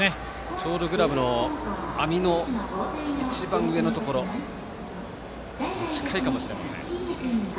ちょうどグラブの網の一番上のところに近いかもしれません。